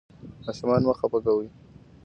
ماشومان مه خفه کوئ.